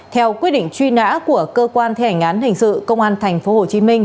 theo quyết định truy nã của cơ quan thi hành án hình sự công an thành phố hồ chí minh